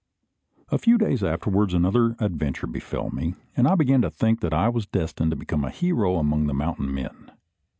A few days afterwards, another adventure befell me; and I began to think that I was destined to become a hero among the "mountain men."